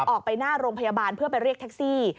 ออกไปหน้าโรงพยาบาลเพื่อไปเรียกแท็กซี่